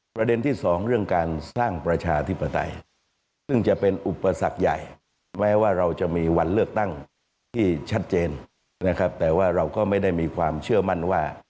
ประเด็นที่สองเรื่องการสร้างประชาธิปไตยซึ่งจะเป็นอุปสรรคใหญ่แม้ว่าเราจะมีวันเลือกตั้งที่ชัดเจนนะครับแต่ว่าเราก็ไม่ได้มีความเชื่อมั่นว่า